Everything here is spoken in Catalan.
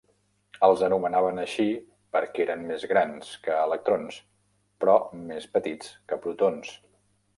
Els anomenaven així perquè eren més grans que electrons, però més petits que protons.